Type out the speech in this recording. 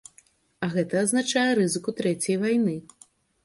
А гэта азначае рызыку трэцяй вайны.